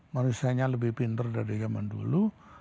manusia nya lebih pinter dari zaman dulu